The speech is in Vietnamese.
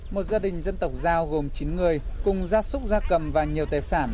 một gia đình dân tộc giao gồm chín người cùng gia súc gia cầm và nhiều tài sản